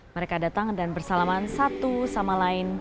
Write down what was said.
mereka datang dan bersalaman satu sama lain